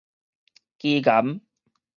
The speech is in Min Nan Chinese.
基岩